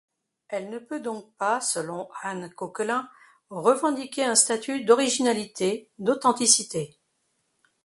Elle ne peut donc pas, selon Anne Cauquelin, revendiquer un statut d’originalité, d’authenticité.